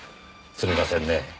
すみませんねぇ。